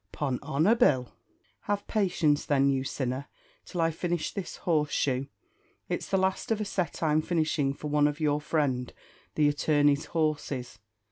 "'Pon honour, Bill." "Have patience, then, you sinner, till I finish this horse shoe it's the last of a set I'm finishing for one of your friend the attorney's horses.